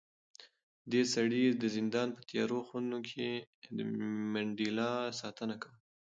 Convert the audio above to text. دې سړي د زندان په تیارو خونو کې د منډېلا ساتنه کوله.